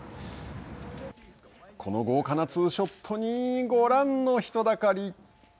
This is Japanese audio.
この豪華なツーショットにご覧の人だかり。